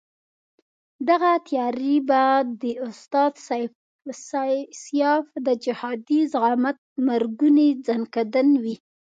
دغه تیاري به د استاد سیاف د جهادي زعامت مرګوني ځنکندن وي.